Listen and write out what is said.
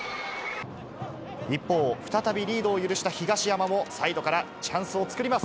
一方、再びリードを許した東山も、サイドからチャンスを作ります。